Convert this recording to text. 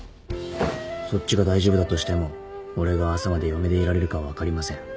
そっちが大丈夫だとしても俺は朝まで嫁でいられるか分かりません